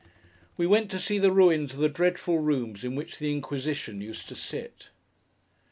We went to see the ruins of the dreadful rooms in which the Inquisition used to sit.